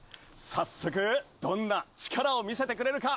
早速どんな力を見せてくれるか。